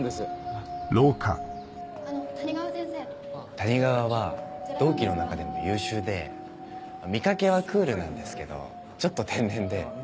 谷川は同期の中でも優秀で見掛けはクールなんですけどちょっと天然で。